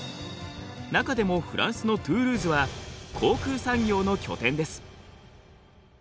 中でもフランスのトゥールーズは航空産業の拠点です。